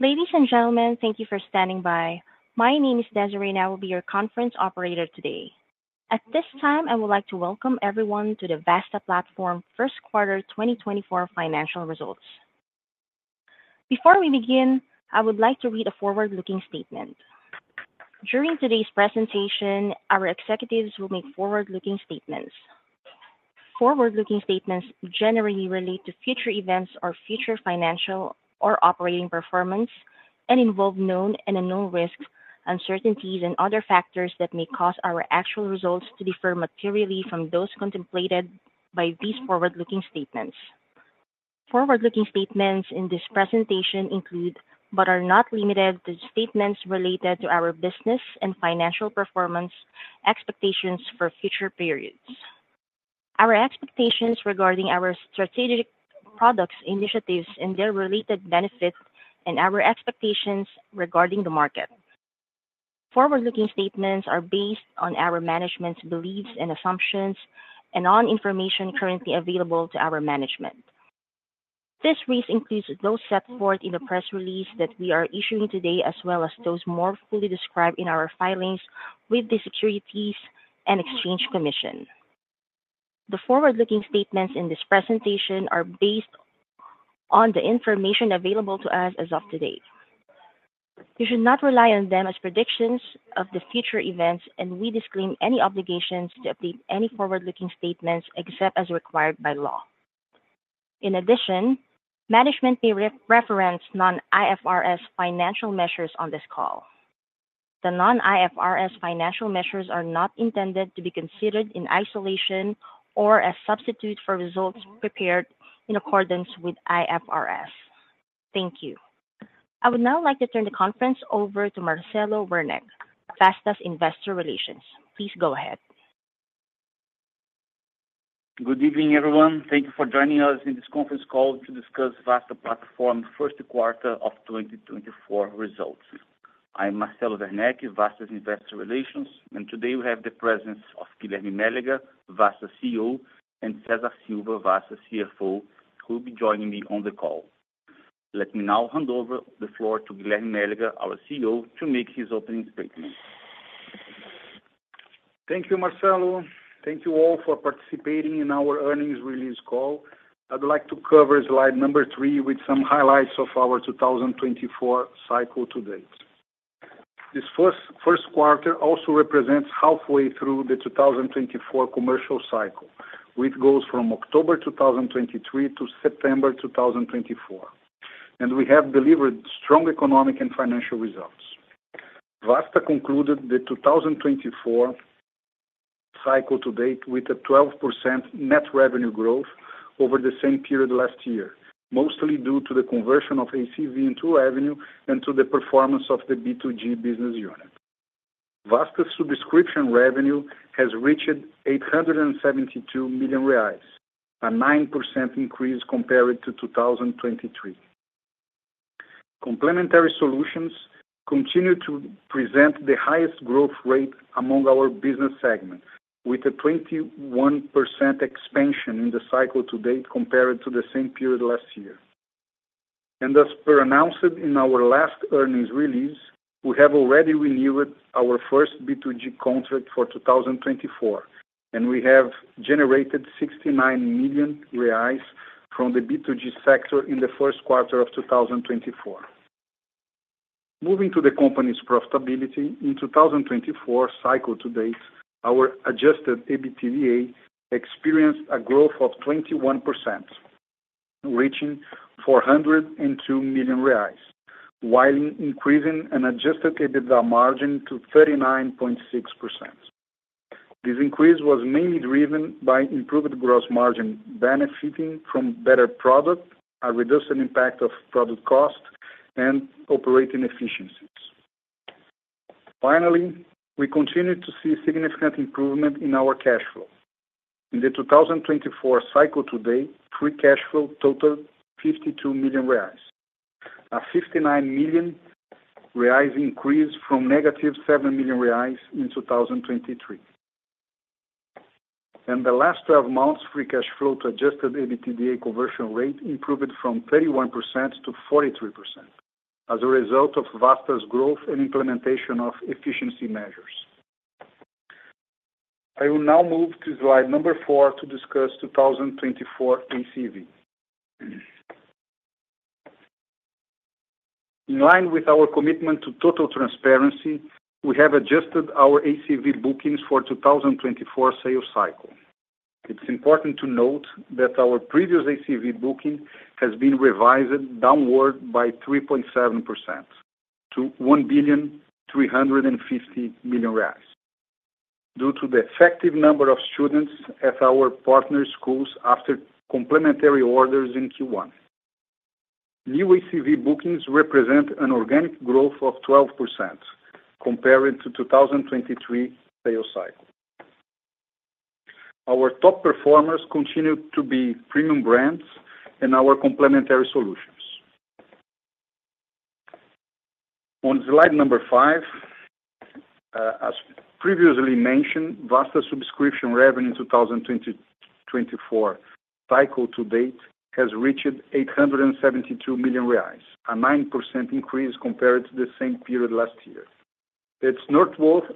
Ladies and gentlemen, thank you for standing by. My name is Desiree and I will be your conference operator today. At this time, I would like to welcome everyone to the Vasta Platform First Quarter 2024 financial results. Before we begin, I would like to read a forward-looking statement. During today's presentation, our executives will make forward-looking statements. Forward-looking statements generally relate to future events or future financial or operating performance and involve known and unknown risks, uncertainties, and other factors that may cause our actual results to differ materially from those contemplated by these forward-looking statements. Forward-looking statements in this presentation include but are not limited to statements related to our business and financial performance expectations for future periods. Our expectations regarding our strategic products initiatives and their related benefits, and our expectations regarding the market. Forward-looking statements are based on our management's beliefs and assumptions and on information currently available to our management. This release includes those set forth in the press release that we are issuing today as well as those more fully described in our filings with the Securities and Exchange Commission. The forward-looking statements in this presentation are based on the information available to us as of today. You should not rely on them as predictions of the future events, and we disclaim any obligations to update any forward-looking statements except as required by law. In addition, management may reference non-IFRS financial measures on this call. The non-IFRS financial measures are not intended to be considered in isolation or as substitutes for results prepared in accordance with IFRS. Thank you. I would now like to turn the conference over to Marcelo Werneck, Vasta's Investor Relations. Please go ahead. Good evening, everyone. Thank you for joining us in this conference call to discuss Vasta Platform first quarter of 2024 results. I'm Marcelo Werneck, Vasta's Investor Relations, and today we have the presence of Guilherme Mélega, Vasta CEO, and Cesar Silva, Vasta CFO, who will be joining me on the call. Let me now hand over the floor to Guilherme Mélega, our CEO, to make his opening statement. Thank you, Marcelo. Thank you all for participating in our earnings release call. I'd like to cover slide number three with some highlights of our 2024 cycle to date. This first quarter also represents halfway through the 2024 commercial cycle, which goes from October 2023 to September 2024, and we have delivered strong economic and financial results. Vasta concluded the 2024 cycle to date with a 12% net revenue growth over the same period last year, mostly due to the conversion of ACV into revenue and to the performance of the B2G business unit. Vasta's subscription revenue has reached 872 million reais, a 9% increase compared to 2023. Complementary solutions continue to present the highest growth rate among our business segment, with a 21% expansion in the cycle to date compared to the same period last year. As per announced in our last earnings release, we have already renewed our first B2G contract for 2024, and we have generated 69 million reais from the B2G sector in the first quarter of 2024. Moving to the company's profitability, in 2024 cycle to date, our adjusted EBITDA experienced a growth of 21%, reaching 402 million reais, while increasing an adjusted EBITDA margin to 39.6%. This increase was mainly driven by improved gross margin, benefiting from better product, a reduced impact of product cost, and operating efficiencies. Finally, we continue to see significant improvement in our cash flow. In the 2024 cycle to date, free cash flow totaled 52 million reais, a 59 million reais increase from -7 million reais in 2023. The last 12 months, free cash flow to adjusted EBITDA conversion rate improved from 31%-43% as a result of Vasta's growth and implementation of efficiency measures. I will now move to slide number four to discuss 2024 ACV. In line with our commitment to total transparency, we have adjusted our ACV bookings for 2024 sales cycle. It's important to note that our previous ACV Booking has been revised downward by 3.7% to 1,350,000,000 reais due to the effective number of students at our partner schools after complementary orders in Q1. New ACV bookings represent an organic growth of 12% compared to 2023 sales cycle. Our top performers continue to be premium brands and our complementary solutions. On slide number five, as previously mentioned, Vasta's subscription revenue 2024 cycle to date has reached 872 million reais, a 9% increase compared to the same period last year. It's noteworthy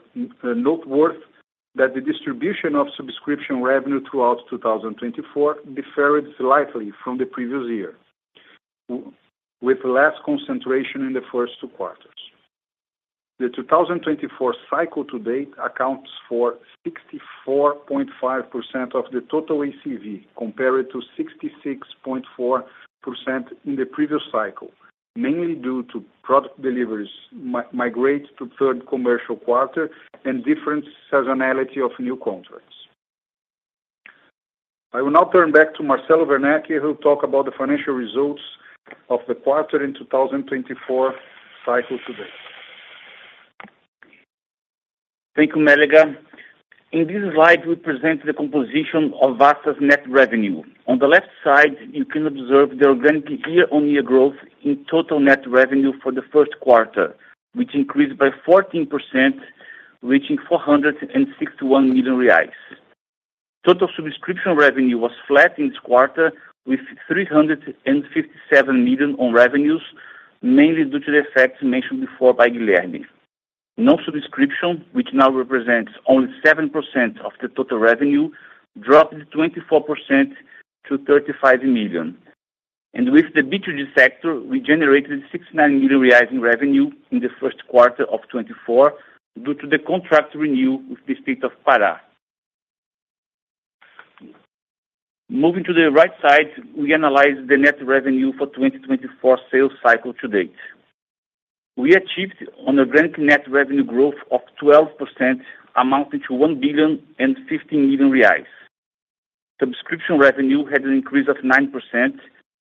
that the distribution of subscription revenue throughout 2024 differed slightly from the previous year, with less concentration in the first two quarters. The 2024 cycle to date accounts for 64.5% of the total ACV compared to 66.4% in the previous cycle, mainly due to product deliveries migrate to third commercial quarter and different seasonality of new contracts. I will now turn back to Marcelo Werneck, who will talk about the financial results of the quarter in 2024 cycle to date. Thank you, Mélega. In this slide, we present the composition of Vasta's net revenue. On the left side, you can observe the organic year-on-year growth in total net revenue for the first quarter, which increased by 14%, reaching 461 million reais. Total subscription revenue was flat in this quarter, with 357 million in revenues, mainly due to the effects mentioned before by Guilherme. Non-subscription, which now represents only 7% of the total revenue, dropped 24% to 35 million. With the B2G sector, we generated 69 million reais in revenue in the first quarter of 2024 due to the contract renewal with the State of Pará. Moving to the right side, we analyze the net revenue for 2024 sales cycle to date. We achieved an organic net revenue growth of 12%, amounting to 1,050,000,000 reais. Subscription revenue had an increase of 9%,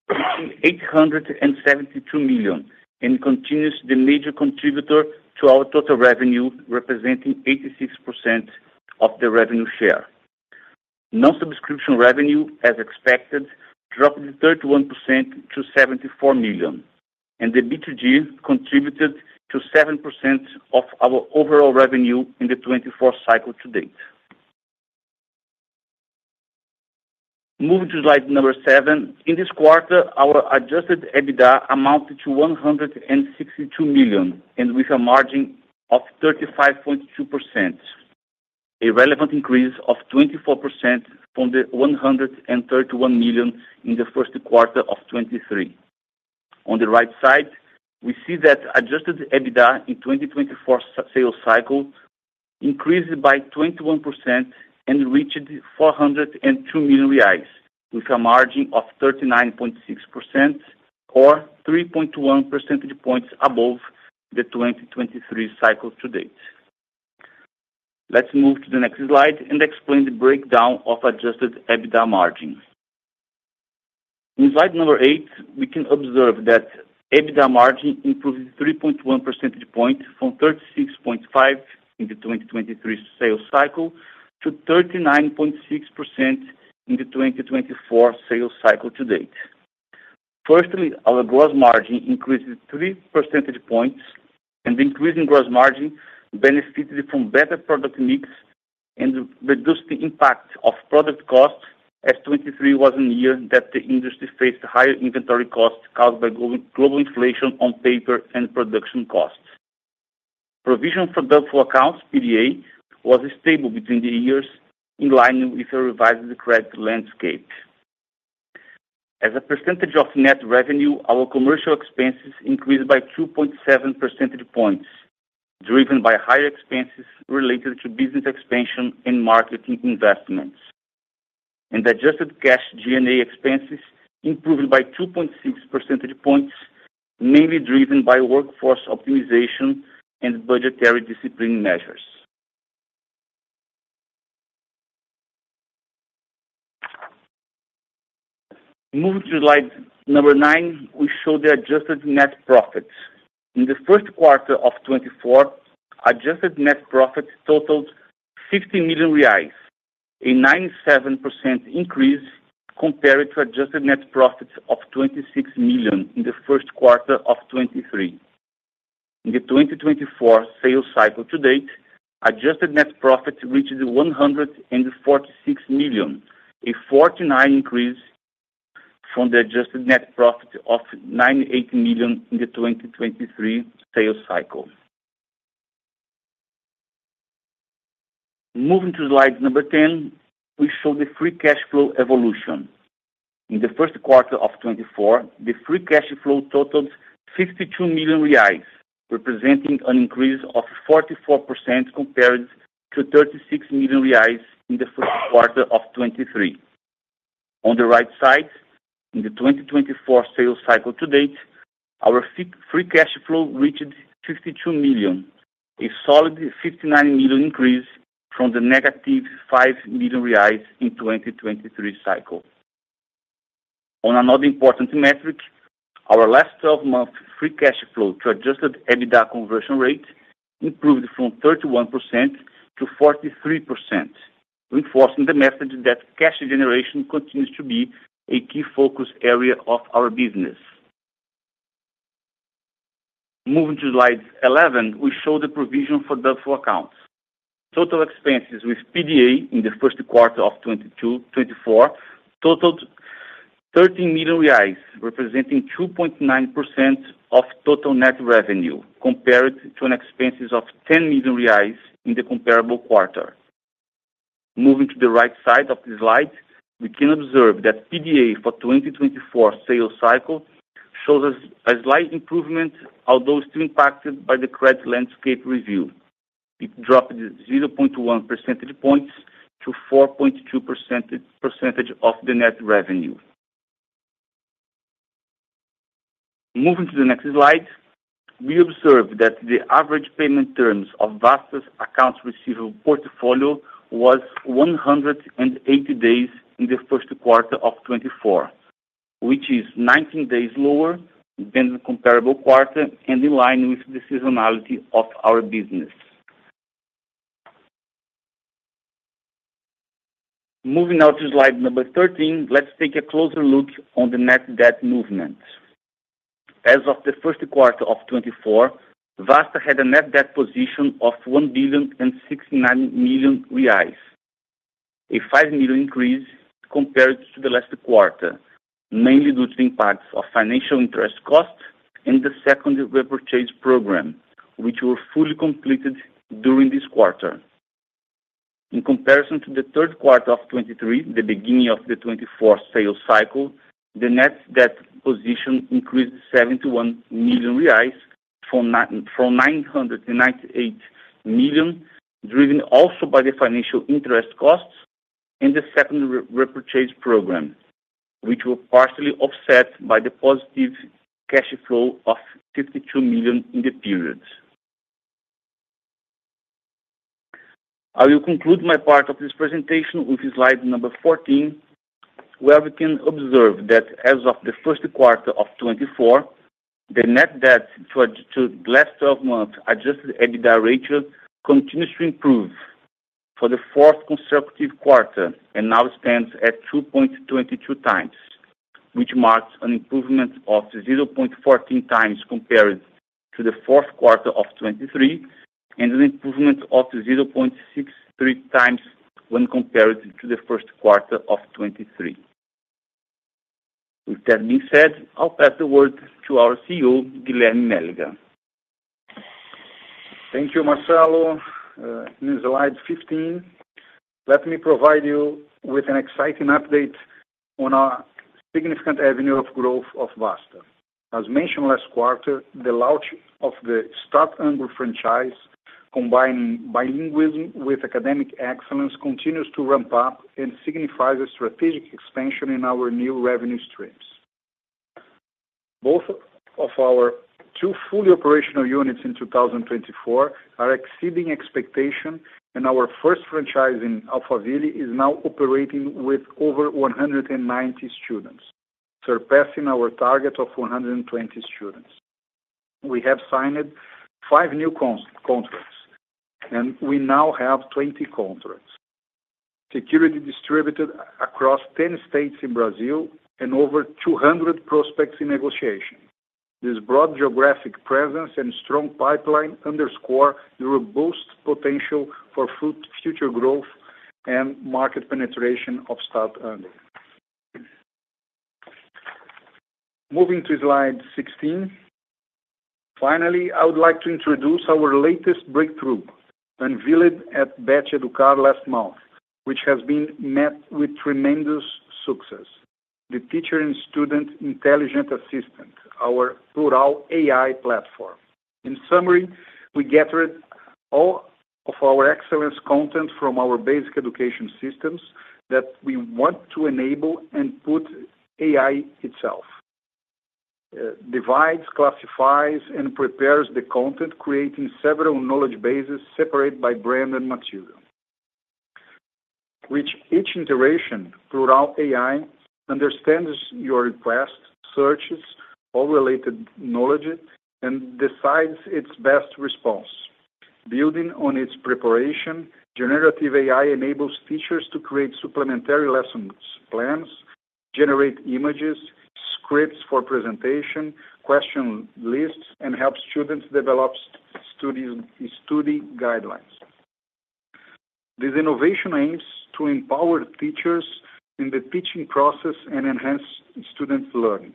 reaching 872 million, and continues to be a major contributor to our total revenue, representing 86% of the revenue share. Non-subscription revenue, as expected, dropped 31% to 74 million, and the B2G contributed to 7% of our overall revenue in the 2024 cycle to date. Moving to slide number seven, in this quarter, our adjusted EBITDA amounted to 162 million, and with a margin of 35.2%, a relevant increase of 24% from the 131 million in the first quarter of 2023. On the right side, we see that adjusted EBITDA in 2024 sales cycle increased by 21% and reached 402 million reais, with a margin of 39.6% or 3.1 percentage points above the 2023 cycle to date. Let's move to the next slide and explain the breakdown of adjusted EBITDA margin. In slide eight, we can observe that EBITDA margin improved 3.1 percentage points from 36.5% in the 2023 sales cycle to 39.6% in the 2024 sales cycle to date. Firstly, our gross margin increased 3 percentage points, and the increase in gross margin benefited from better product mix and reduced the impact of product costs as 2023 was a year that the industry faced higher inventory costs caused by global inflation on paper and production costs. Provision for doubtful accounts, PDA, was stable between the years, in line with a revised credit landscape. As a percentage of net revenue, our commercial expenses increased by 2.7 percentage points, driven by higher expenses related to business expansion and marketing investments. Adjusted cash G&A expenses improved by 2.6 percentage points, mainly driven by workforce optimization and budgetary discipline measures. Moving to slide nine, we show the adjusted net profit. In the first quarter of 2024, adjusted net profit totaled 50 million reais, a 97% increase compared to adjusted net profit of 26 million in the first quarter of 2023. In the 2024 sales cycle to date, adjusted net profit reached 146 million, a 49% increase from the adjusted net profit of 98 million in the 2023 sales cycle. Moving to slide number 10, we show the free cash flow evolution. In the first quarter of 2024, the free cash flow totaled 52 million reais, representing an increase of 44% compared to 36 million reais in the first quarter of 2023. On the right side, in the 2024 sales cycle to date, our free cash flow reached 52 million, a solid 59 million increase from the negative 5 million reais in the 2023 cycle. On another important metric, our last 12-month free cash flow to adjusted EBITDA conversion rate improved from 31%-43%, reinforcing the message that cash generation continues to be a key focus area of our business. Moving to slide 11, we show the provision for doubtful accounts. Total expenses with PDA in the first quarter of 2022, 2024 totaled 13 million reais, representing 2.9% of total net revenue compared to expenses of 10 million reais in the comparable quarter. Moving to the right side of the slide, we can observe that PDA for the 2024 sales cycle shows a slight improvement, although still impacted by the credit landscape review. It dropped 0.1 percentage points to 4.2% of the net revenue. Moving to the next slide, we observe that the average payment terms of Vasta's accounts receivable portfolio were 180 days in the first quarter of 2024, which is 19 days lower than the comparable quarter and in line with the seasonality of our business. Moving now to slide number 13, let's take a closer look on the net debt movement. As of the first quarter of 2024, Vasta had a net debt position of 1,069,000,000 reais, a 5 million increase compared to the last quarter, mainly due to the impacts of financial interest costs and the second repurchase program, which were fully completed during this quarter. In comparison to the third quarter of 2023, the beginning of the 2024 sales cycle, the net debt position increased 71 million reais from 998 million, driven also by the financial interest costs and the second repurchase program, which were partially offset by the positive cash flow of 52 million in the period. I will conclude my part of this presentation with slide number 14, where we can observe that as of the first quarter of 2024, the net debt to the last 12-month adjusted EBITDA ratio continues to improve for the fourth consecutive quarter and now stands at 2.22x, which marks an improvement of 0.14x compared to the fourth quarter of 2023 and an improvement of 0.63x when compared to the first quarter of 2023. With that being said, I'll pass the word to our CEO, Guilherme Mélega. Thank you, Marcelo. In slide 15, let me provide you with an exciting update on our significant avenue of growth of Vasta. As mentioned last quarter, the launch of the Start Anglo franchise, combining bilingualism with academic excellence, continues to ramp up and signifies a strategic expansion in our new revenue streams. Both of our two fully operational units in 2024 are exceeding expectations, and our first franchise in Alphaville is now operating with over 190 students, surpassing our target of 120 students. We have signed 5 new contracts, and we now have 20 contracts, securely distributed across 10 states in Brazil, and over 200 prospects in negotiation. This broad geographic presence and strong pipeline underscore the robust potential for future growth and market penetration of Start Anglo. Moving to slide 16, finally, I would like to introduce our latest breakthrough, unveiled at Bett Educar last month, which has been met with tremendous success, the Teacher and Student Intelligent Assistant, our Plurall AI Platform. In summary, we gathered all of our excellence content from our basic education systems that we want to enable and put AI itself, divides, classifies, and prepares the content, creating several knowledge bases separated by brand and material, with each iteration, Plurall AI understands your request, searches, or related knowledge, and decides its best response. Building on its preparation, generative AI enables teachers to create supplementary lesson plans, generate images, scripts for presentation, question lists, and help students develop study guidelines. This innovation aims to empower teachers in the teaching process and enhance student learning.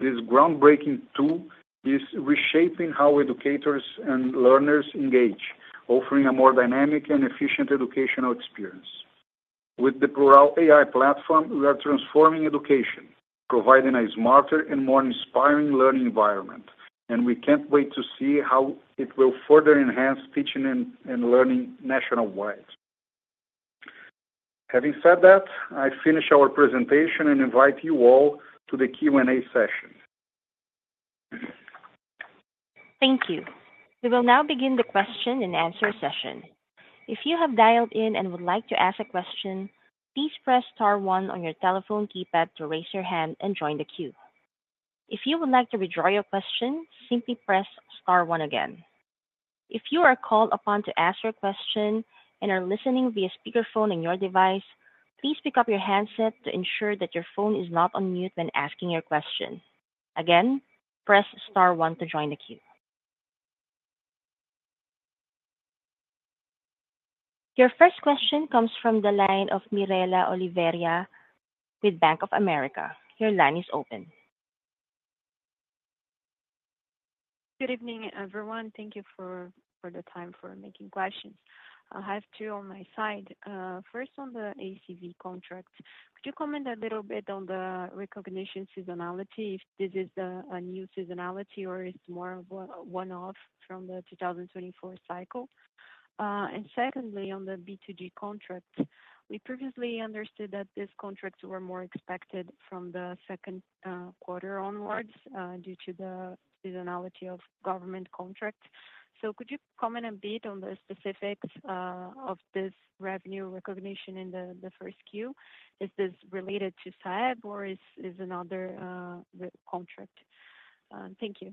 This groundbreaking tool is reshaping how educators and learners engage, offering a more dynamic and efficient educational experience. With the Plurall AI Platform, we are transforming education, providing a smarter and more inspiring learning environment, and we can't wait to see how it will further enhance teaching and learning nationwide. Having said that, I finish our presentation and invite you all to the Q&A session. Thank you. We will now begin the question and answer session. If you have dialed in and would like to ask a question, please press star one on your telephone keypad to raise your hand and join the queue. If you would like to withdraw your question, simply press star one again. If you are called upon to ask your question and are listening via speakerphone on your device, please pick up your handset to ensure that your phone is not on mute when asking your question. Again, press star one to join the queue. Your first question comes from the line of Mirela Oliveira with Bank of America. Your line is open. Good evening, everyone. Thank you for the time for making questions. I have two on my side. First, on the ACV contract, could you comment a little bit on the recognition seasonality, if this is a new seasonality or it's more of a one-off from the 2024 cycle? And secondly, on the B2G contract, we previously understood that these contracts were more expected from the second quarter onwards due to the seasonality of government contracts. So could you comment a bit on the specifics of this revenue recognition in the first quarter? Is this related to SAEB, or is it another contract? Thank you.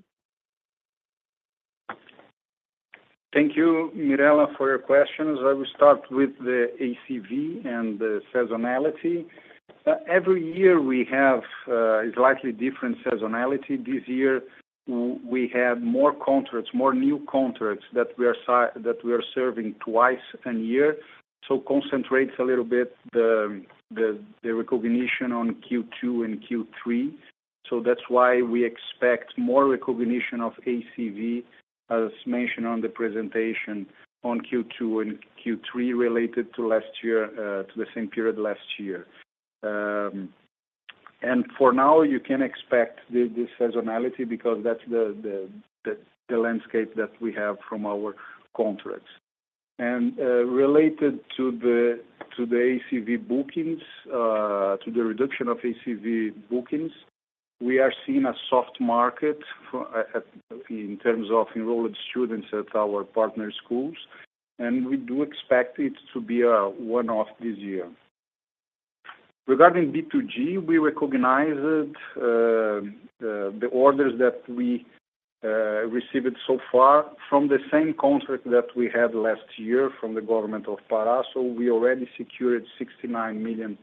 Thank you, Mirela, for your questions. I will start with the ACV and the seasonality. Every year, we have a slightly different seasonality. This year, we have more contracts, more new contracts that we are serving twice a year, so it concentrates a little bit the recognition on Q2 and Q3. So that's why we expect more recognition of ACV, as mentioned on the presentation, on Q2 and Q3 related to the same period last year. And for now, you can expect this seasonality because that's the landscape that we have from our contracts. And related to the ACV bookings, to the reduction of ACV bookings, we are seeing a soft market in terms of enrolled students at our partner schools, and we do expect it to be a one-off this year. Regarding B2G, we recognize the orders that we received so far from the same contract that we had last year from the Government of Pará. So we already secured 69 million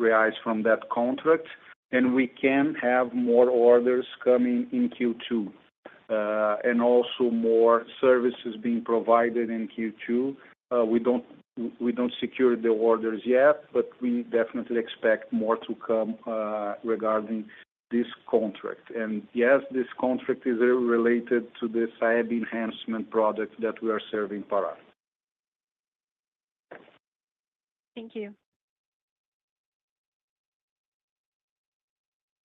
reais from that contract, and we can have more orders coming in Q2 and also more services being provided in Q2. We don't secure the orders yet, but we definitely expect more to come regarding this contract. And yes, this contract is related to the SAEB enhancement product that we are serving Pará. Thank you.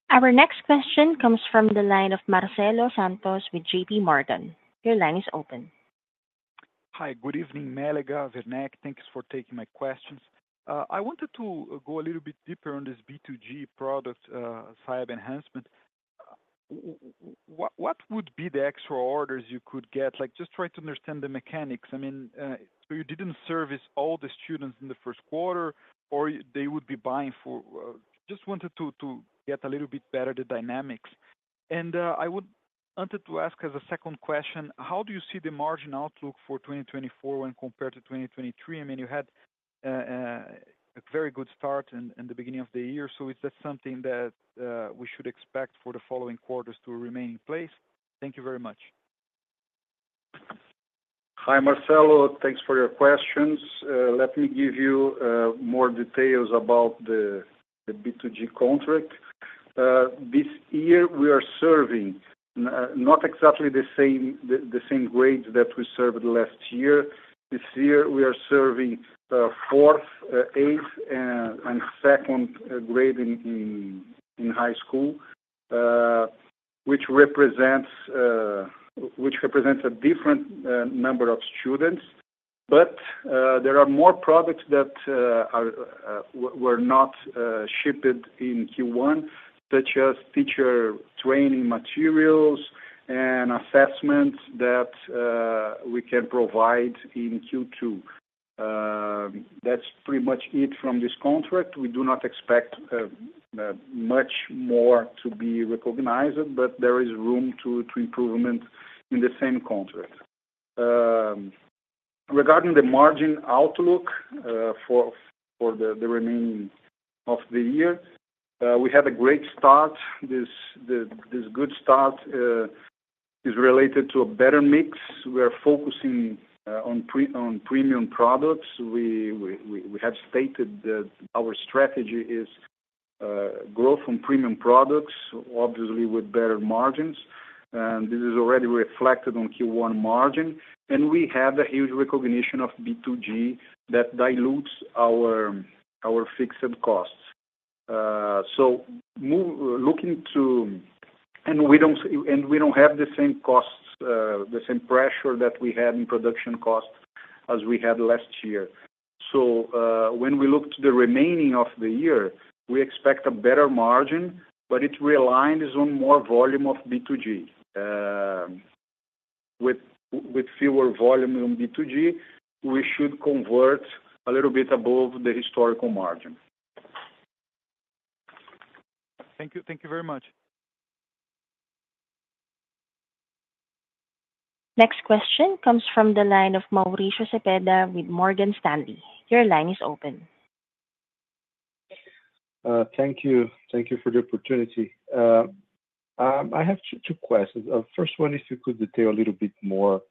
Our next question comes from the line of Marcelo Santos with JPMorgan. Your line is open. Hi. Good evening, Mélega, Werneck. Thanks for taking my questions. I wanted to go a little bit deeper on this B2G product, SAEB enhancement. What would be the extra orders you could get? Just try to understand the mechanics. I mean, so you didn't service all the students in the first quarter, or they would be buying for just wanted to get a little bit better the dynamics. And I wanted to ask as a second question, how do you see the margin outlook for 2024 when compared to 2023? I mean, you had a very good start in the beginning of the year. So is that something that we should expect for the following quarters to remain in place? Thank you very much. Hi, Marcelo. Thanks for your questions. Let me give you more details about the B2G contract. This year, we are serving not exactly the same grades that we served last year. This year, we are serving fourth, eighth, and second grade in high school, which represents a different number of students. But there are more products that were not shipped in Q1, such as teacher training materials and assessments that we can provide in Q2. That's pretty much it from this contract. We do not expect much more to be recognized, but there is room to improvement in the same contract. Regarding the margin outlook for the remaining of the year, we had a great start. This good start is related to a better mix. We are focusing on premium products. We have stated that our strategy is growth from premium products, obviously with better margins. This is already reflected on Q1 margin. We have a huge recognition of B2G that dilutes our fixed costs. So looking to and we don't have the same costs, the same pressure that we had in production costs as we had last year. When we look to the remaining of the year, we expect a better margin, but it relies on more volume of B2G. With fewer volume in B2G, we should convert a little bit above the historical margin. Thank you very much. Next question comes from the line of Mauricio Cepeda with Morgan Stanley. Your line is open. Thank you. Thank you for the opportunity. I have two questions. The first one is if you could detail a little bit more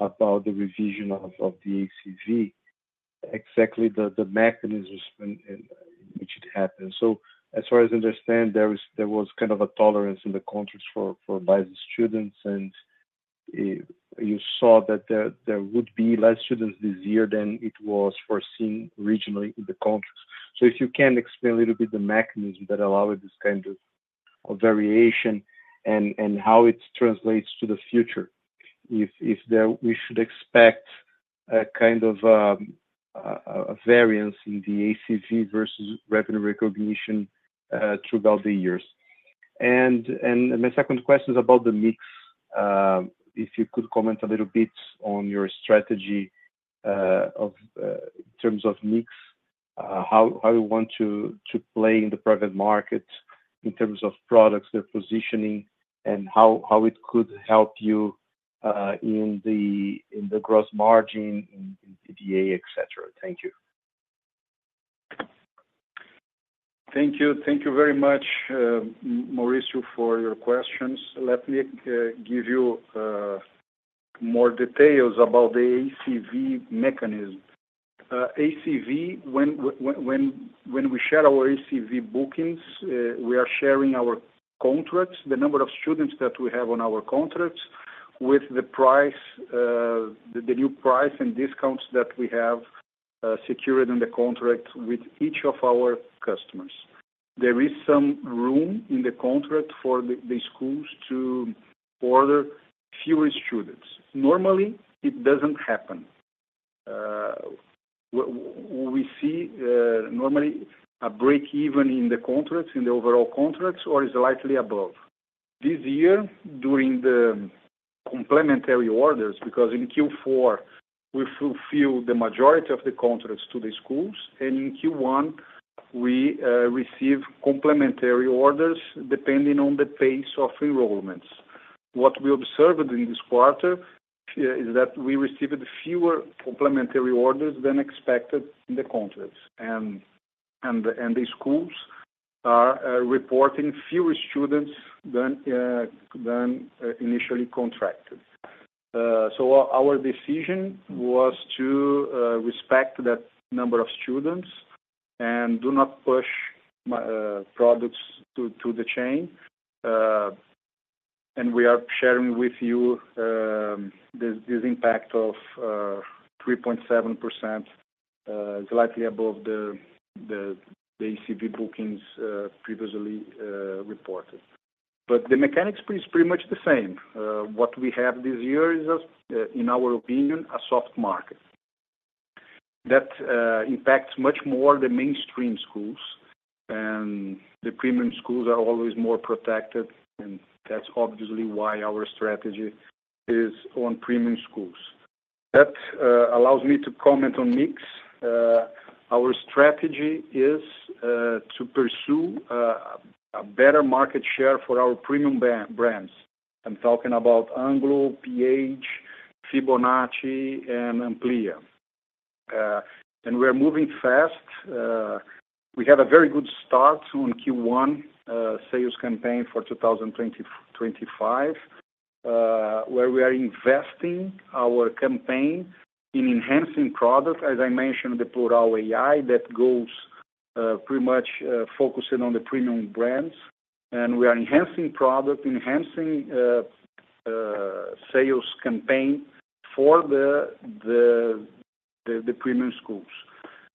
about the revision of the ACV, exactly the mechanisms in which it happened? So as far as I understand, there was kind of a tolerance in the contracts for base students, and you saw that there would be less students this year than it was foreseen regionally in the contracts. So if you can explain a little bit the mechanism that allowed this kind of variation and how it translates to the future, if we should expect a kind of a variance in the ACV versus revenue recognition throughout the years? And my second question is about the mix. If you could comment a little bit on your strategy in terms of mix, how you want to play in the private market in terms of products, their positioning, and how it could help you in the gross margin, in the DA, etc.? Thank you. Thank you. Thank you very much, Mauricio, for your questions. Let me give you more details about the ACV mechanism. ACV, when we share our ACV bookings, we are sharing our contracts, the number of students that we have on our contracts, with the new price and discounts that we have secured in the contract with each of our customers. There is some room in the contract for the schools to order fewer students. Normally, it doesn't happen. We see normally a break-even in the overall contracts or slightly above. This year, during the complementary orders, because in Q4, we fulfill the majority of the contracts to the schools, and in Q1, we receive complementary orders depending on the pace of enrollments. What we observed in this quarter is that we received fewer complementary orders than expected in the contracts, and the schools are reporting fewer students than initially contracted. So our decision was to respect that number of students and do not push products to the chain. And we are sharing with you this impact of 3.7%, slightly above the ACV bookings previously reported. But the mechanics is pretty much the same. What we have this year is, in our opinion, a soft market that impacts much more the mainstream schools. And the premium schools are always more protected, and that's obviously why our strategy is on premium schools. That allows me to comment on mix. Our strategy is to pursue a better market share for our premium brands. I'm talking about Anglo, PH, Fibonacci, and Amplia. We are moving fast. We have a very good start on Q1 sales campaign for 2025, where we are investing our campaign in enhancing product, as I mentioned, the Plurall AI that goes pretty much focusing on the premium brands. We are enhancing product, enhancing sales campaign for the premium schools.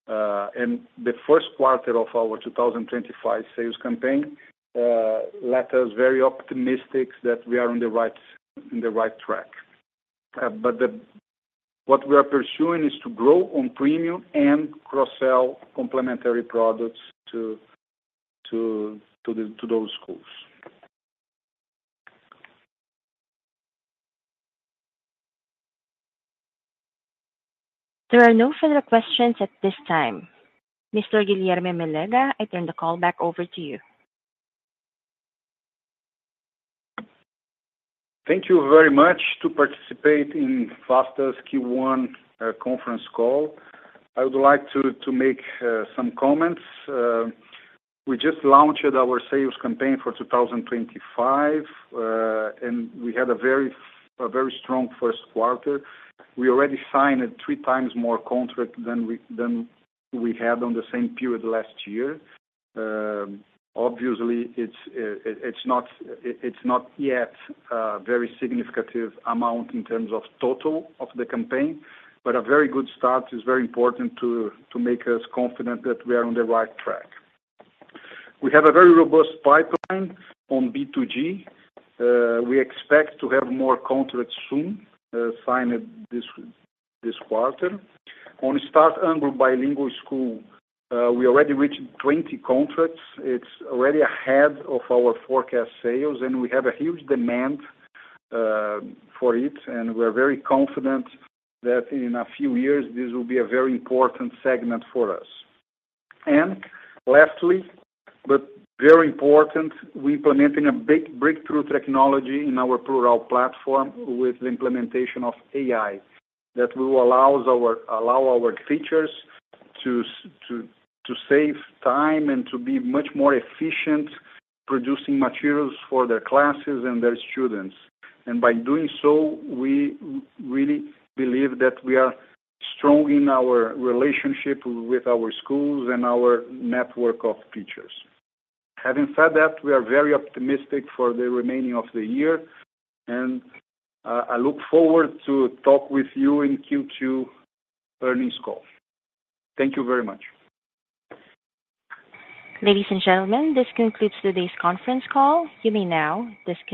The first quarter of our 2025 sales campaign left us very optimistic that we are on the right track. But what we are pursuing is to grow on premium and cross-sell complementary products to those schools. There are no further questions at this time. Mr. Guilherme Mélega, I turn the call back over to you. Thank you very much to participate in Vasta's Q1 conference call. I would like to make some comments. We just launched our sales campaign for 2025, and we had a very strong first quarter. We already signed three times more contracts than we had on the same period last year. Obviously, it's not yet a very significant amount in terms of total of the campaign, but a very good start is very important to make us confident that we are on the right track. We have a very robust pipeline on B2G. We expect to have more contracts soon signed this quarter. On Start Anglo Bilingual School, we already reached 20 contracts. It's already ahead of our forecast sales, and we have a huge demand for it. We are very confident that in a few years, this will be a very important segment for us. And lastly, but very important, we're implementing a big breakthrough technology in our Plurall Platform with the implementation of AI that will allow our teachers to save time and to be much more efficient producing materials for their classes and their students. And by doing so, we really believe that we are strong in our relationship with our schools and our network of teachers. Having said that, we are very optimistic for the remaining of the year. And I look forward to talk with you in Q2 earnings call. Thank you very much. Ladies and gentlemen, this concludes today's conference call. You may now disconnect.